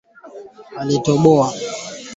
weka mafuta vijiko mbili